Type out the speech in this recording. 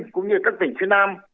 cũng như các tỉnh phía nam